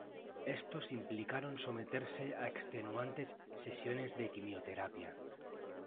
Estos implicaron someterse a extenuantes sesiones de quimioterapia.